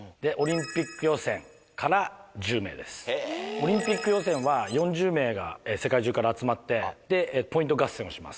オリンピック予選は４０名が世界中から集まってポイント合戦をします。